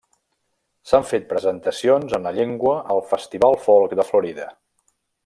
S'han fet presentacions en la llengua al Festival Folk de Florida.